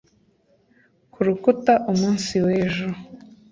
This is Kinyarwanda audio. kurukuta umunsi wejo